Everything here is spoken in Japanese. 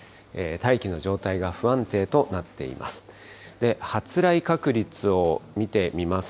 大気の状態が不安定となっています。